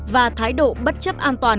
và thái độ bất chấp an toàn